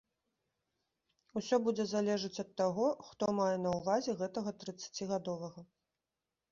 Усё будзе залежыць ад таго, хто мае на ўвазе гэтага трыццацігадовага.